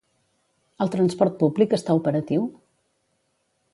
El transport públic està operatiu?